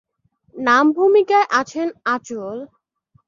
নাম ভুমিকায় আছেন আঁচল।